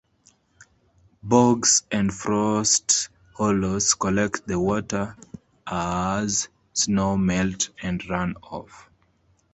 Bogs and frost hollows collect the water as snow melt and run off.